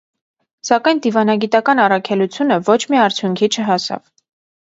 Սակայն դիվանագիտական առաքելությունը ոչ մի արդյունքի չհասավ։